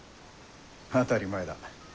当たり前だ。